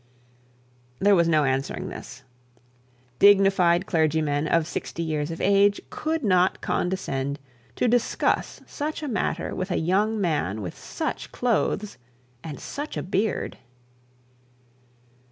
There was no answering this. Dignified clergymen of sixty years of age could not condescend to discuss such a matter with a young man with such clothes and such a beard.